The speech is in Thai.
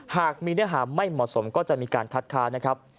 หากมีเนื้อหาไม่เหมาะสมก็จะมีการคัดค้านะครับ